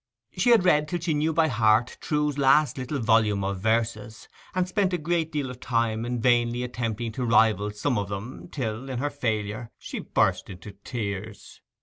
She had read till she knew by heart Trewe's last little volume of verses, and spent a great deal of time in vainly attempting to rival some of them, till, in her failure, she burst into tears.